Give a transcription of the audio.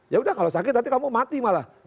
ya udah kalau sakit hati kamu mati malah